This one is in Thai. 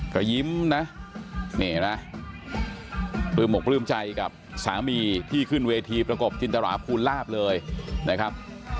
ก็ยิ้มนะนี่เห็นไหมปลื้มอกปลื้มใจกับสามีที่ขึ้นเวทีประกบจินตราภูลาภเลยนะครับ